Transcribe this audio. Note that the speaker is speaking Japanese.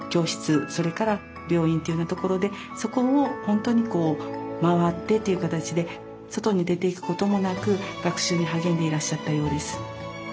それから病院というふうなところでそこをほんとに回ってっていう形で外に出ていくこともなく学習に励んでいらっしゃったようです。